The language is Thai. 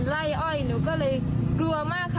ไล่อ้อยหนูก็เลยกลัวมากค่ะ